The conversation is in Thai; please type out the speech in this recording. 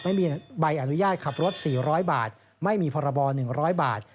ไม่มีใบอนุญาตขับรถ๔๐๐บาทไม่มีพรบ๑๐๐บาท